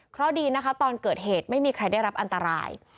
เพราะดีนะคะตอนเกิดเหตุไม่มีใครได้รับอันตราย